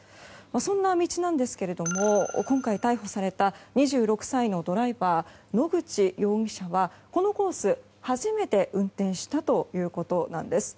そんな道なんですが今回逮捕された２６歳のドライバー野口容疑者は、このコース初めて運転したということなんです。